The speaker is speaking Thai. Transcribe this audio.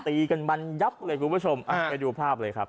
ตีกันมันยับเลยคุณผู้ชมอ่ะไปดูภาพเลยครับ